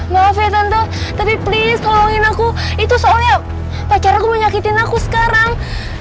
maaf ya tentu tapi please ngomongin aku itu soalnya pacar aku menyakitin aku sekarang